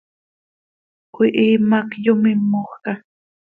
Cöihiim hac yomímojca.